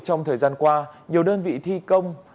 trong thời gian qua nhiều đơn vị thi công